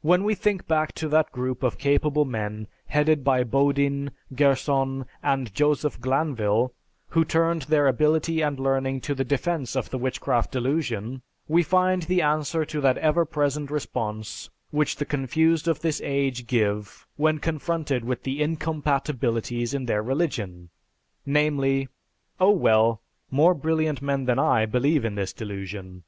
When we think back to that group of capable men headed by Bodin, Gerson, and Joseph Glanvil, who turned their ability and learning to the defense of the Witchcraft Delusion, we find the answer to that ever present response which the confused of this age give when confronted with the incompatabilities in their religion, namely, "Oh, well, more brilliant men than I believe in this delusion."